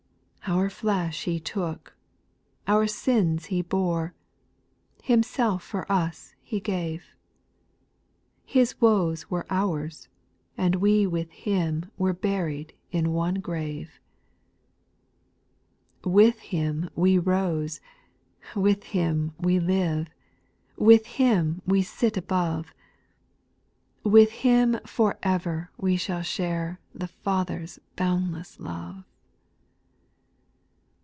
5. Our flesh He took, our sins He bore, Himself for us He gave ; His woes were our's, and we with Him Were buried in one grave. 6. With Him we rose, with Him we live, With Him we sit above ; With Him for ever w^e shall share The Father's boundless love.